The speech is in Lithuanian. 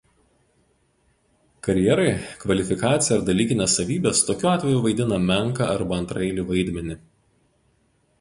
Karjerai kvalifikacija ar dalykinės savybės tokiu atveju vaidina menką arba antraeilį vaidmenį.